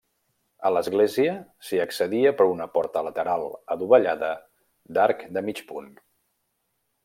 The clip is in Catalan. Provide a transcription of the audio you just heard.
A l'església s'hi accedia per una porta lateral adovellada d'arc de mig punt.